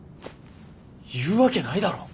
言うわけないだろ！